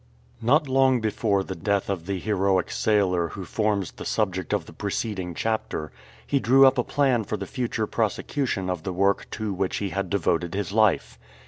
NOT long before the death of the heroic sailor who forms the subject of the preceding chapter, he drew up a plan for the future prosecution of the work to which he had devoted his life.